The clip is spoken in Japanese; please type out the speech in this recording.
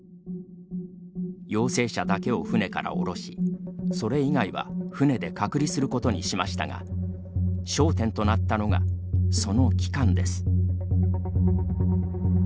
陽性者だけを船から降ろしそれ以外は船で隔離することにしましたが焦点となったのがその期間です。